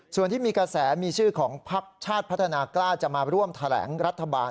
ส่วนที่มีกระแสมีชื่อของพักชาติพัฒนากล้าจะมาร่วมแถลงรัฐบาล